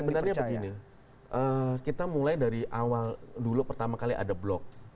sebenarnya begini kita mulai dari awal dulu pertama kali ada blok